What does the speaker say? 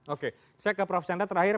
oke saya ke prof chandra terakhir